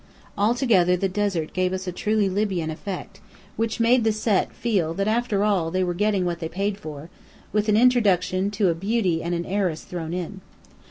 Altogether the desert gave us a truly Libyan effect, which made the Set feel that after all they were getting what they had paid for, with an introduction to a beauty and heiress thrown in.